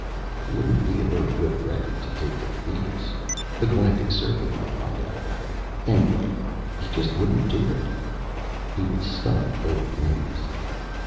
It wouldn't be a very good record to take to Thetis. The Galactic Survey might find out about it. Anyway, he just wouldn't do it. He was stuck both ways.